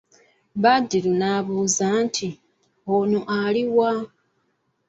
Badru n'abuuza nti:"ono ali wa"